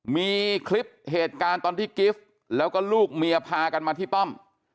มีคลิปเหตุการณ์ตอนที่กิฟต์แล้วก็ลูกเมียพากันมาที่ป้อม